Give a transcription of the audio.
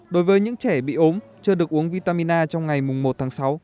đối với những trẻ bị ốm chưa được uống vitamin a trong ngày một tháng sáu